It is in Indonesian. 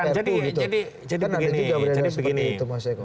bukan jadi begini jadi begini